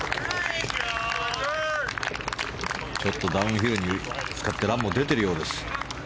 ちょっとダウンヒルにぶつかってランも出ているようです。